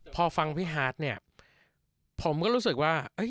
พอฟังพี่ฮาทผมก็รู้สึกว่า